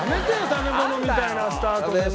食べ物みたいなスタートでさ。